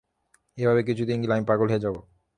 এইভাবে কিছুদিন গেলে আমি পাগল হয়ে যাব।